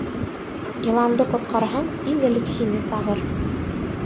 Йыланды ҡотҡарһаң, иң элек һине сағыр.